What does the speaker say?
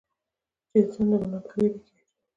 چې انسان د ګناه پۀ وېره کښې اچوي